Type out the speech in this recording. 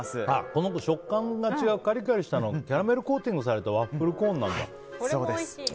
この食感が違うカリカリしたのはキャラメルコーティングされたワッフルコーンなんだ。